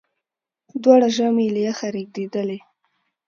دواړي زامي یې له یخه رېږدېدلې